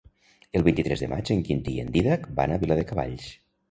El vint-i-tres de maig en Quintí i en Dídac van a Viladecavalls.